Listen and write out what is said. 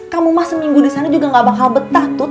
kamu mah seminggu di sana juga gak bakal betah tuh